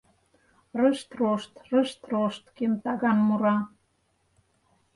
«Рышт-рошт, рышт-рошт! — кем таган мура...»